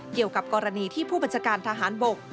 เกี่ยวกับกรณีที่ผู้บัญชาการทหารบก